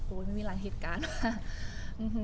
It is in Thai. โอ้ยไม่มีอะไรเหตุการณ์มา